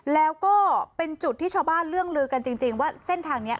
แล้วก็เป็นจุดที่ชาวบ้านเรื่องลือกันจริงว่าเส้นทางนี้